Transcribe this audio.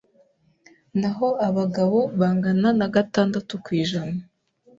naho abagabo bangana na gatandatu kwijana